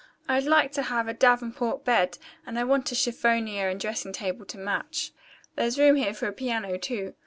I'd like to have a davenport bed, and I want a chiffonier and a dressing table to match. There's room here for a piano, too.